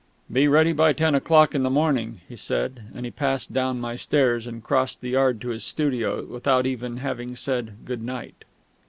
"Be ready by ten o'clock in the morning," he said; and he passed down my stairs and crossed the yard to his studio without even having said "Good night."